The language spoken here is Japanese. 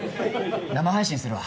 生配信するわ。